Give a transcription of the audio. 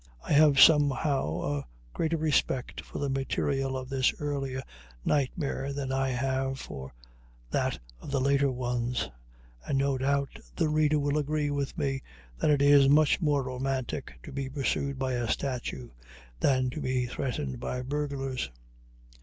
I have somehow a greater respect for the material of this earlier nightmare than I have for that of the later ones, and no doubt the reader will agree with me that it is much more romantic to be pursued by a statue than to be threatened by burglars.